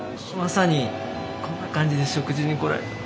まさにこんな感じで食事に来られて。